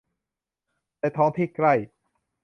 ในท้องที่ใกล้